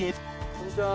こんにちは。